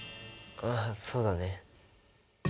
あっそうだね。